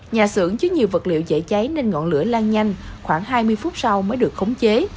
nhà xưởng chứa nhiều vật liệu dễ cháy nên ngọn lửa lan nhanh khoảng hai mươi phút sau mới được khống chế